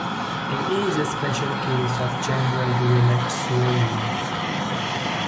It is a special case of general Dirichlet series.